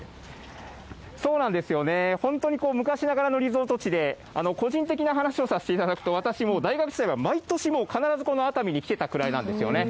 そうなんですよね、本当に昔ながらのリゾート地で、個人的な話をさせていただくと、私も、大学時代は毎年もう必ずこの熱海に来てたくらいなんですよね。